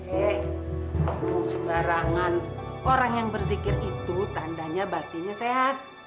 eh sebarangan orang yang bersikir itu tandanya batinnya sehat